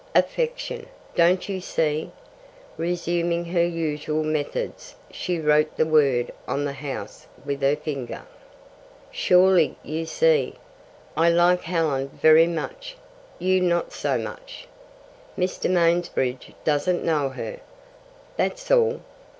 "Affection. Don't you see?" Resuming her usual methods, she wrote the word on the house with her finger. "Surely you see. I like Helen very much, you not so much. Mr. Mansbridge doesn't know her. That's all.